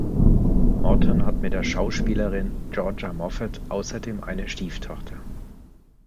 Morton hat mit der Schauspielerin Georgia Moffett außerdem eine Stieftochter.